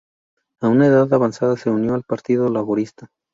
A una edad avanzada se unió al Partido Laborista.